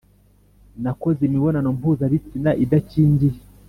nakoze imibonano mpuzabitsina idakingiye